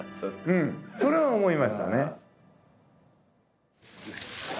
うんそれは思いましたね。